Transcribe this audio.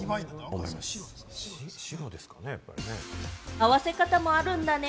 合わせ方もあるんだね！